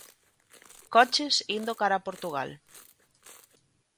Coches indo cara a Portugal.